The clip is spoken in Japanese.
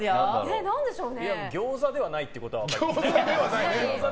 ギョーザではないことは分かりますね。